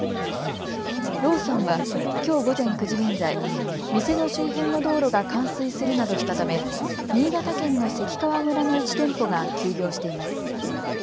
ローソンはきょう午前９時現在、店の周辺の道路が冠水するなどしたため新潟県の関川村の１店舗が休業しています。